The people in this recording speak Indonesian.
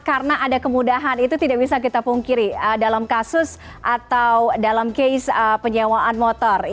karena ada kemudahan itu tidak bisa kita pungkiri dalam kasus atau dalam case penyewaan motor